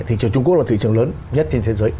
thị trường trung quốc là thị trường lớn nhất trên thế giới